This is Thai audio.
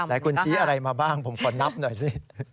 ไหนคุณชี้อะไรมาบ้างผมขอนับหน่อยสิ